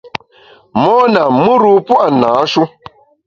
Mona, mùr-u pua’ nâ-shu.